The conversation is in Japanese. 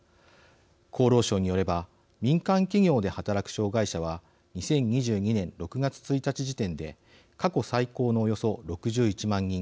厚労省によれば民間企業で働く障害者は２０２２年６月１日時点で過去最高のおよそ６１万人。